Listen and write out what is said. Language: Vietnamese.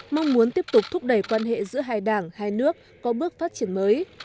mong muốn tiếp tục thúc đẩy quan hệ giữa hai đảng hai nước có bước phát triển mới